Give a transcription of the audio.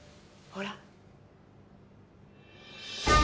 ほら。